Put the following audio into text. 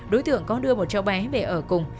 đối tượng có đưa một cháu bé về ở cùng